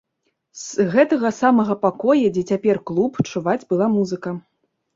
З гэтага самага пакоя, дзе цяпер клуб, чуваць была музыка.